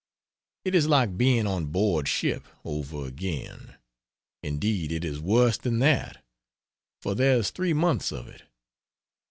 It is like being on board ship, over again; indeed it is worse than that, for there's three months of it.